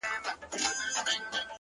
خو هغه زړور زوړ غم ژوندی گرځي حیات دی-